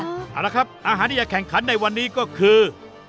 เอาละครับอาหารที่จะแข่งขันในวันนี้ก็คือ